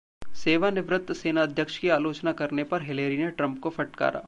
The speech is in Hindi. सेवानिवृत्त सेनाध्यक्ष की आलोचना करने पर हिलेरी ने ट्रंप को फटकारा